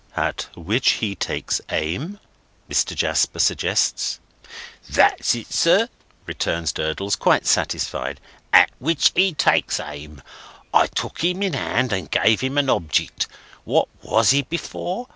"At which he takes aim?" Mr. Jasper suggests. "That's it, sir," returns Durdles, quite satisfied; "at which he takes aim. I took him in hand and gave him an object. What was he before?